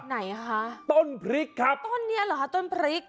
ไหนฮะต้นพริกย์ต้นนี้หรอฮะต้นพริกย์